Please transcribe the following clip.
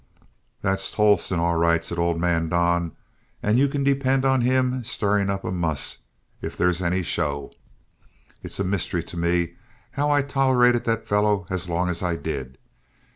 "That's Tolleston all right," said old man Don, "and you can depend on him stirring up a muss if there's any show. It's a mystery to me how I tolerated that fellow as long as I did.